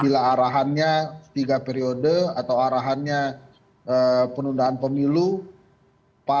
dan saya rasa ini adalah perhubungan yang sangat penting